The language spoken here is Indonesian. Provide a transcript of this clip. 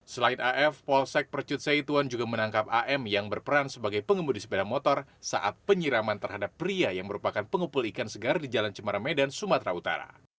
selain af polsek percut saituan juga menangkap am yang berperan sebagai pengemudi sepeda motor saat penyiraman terhadap pria yang merupakan pengumpul ikan segar di jalan cemara medan sumatera utara